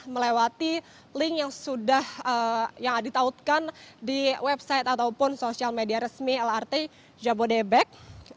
melewati link yang sudah yang ditautkan di website ataupun sosial media resmi lrt jabodebek